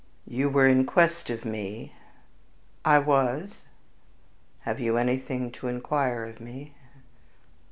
.... "You were in quest of me?" "I was." "Have you anything to inquire of me?"